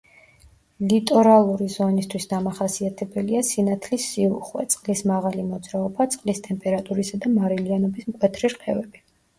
ლიტორალური ზონისთვის დამახასიათებელია სინათლის სიუხვე, წყლის მაღალი მოძრაობა, წყლის ტემპერატურისა და მარილიანობის მკვეთრი რყევები.